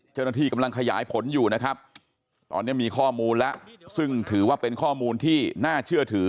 เจ้าหน้าที่กำลังขยายผลอยู่นะครับตอนนี้มีข้อมูลแล้วซึ่งถือว่าเป็นข้อมูลที่น่าเชื่อถือ